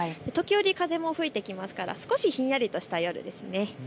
時折、風も吹いてきますから少しひんやりとした夜ですね。